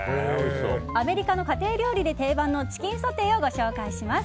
アメリカの家庭料理で定番のチキンソテーをご紹介します。